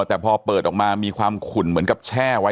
แต่พอเปิดออกมามีความขุ่นเหมือนกับแช่ไว้